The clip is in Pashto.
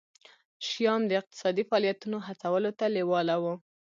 شیام د اقتصادي فعالیتونو هڅولو ته لېواله وو.